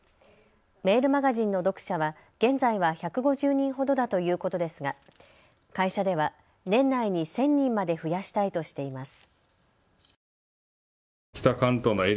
メールマガジンの読者は現在は１５０人ほどだということですが会社では年内に１０００人まで増やしたいとしています。